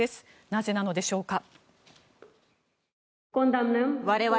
なぜなのでしょうか。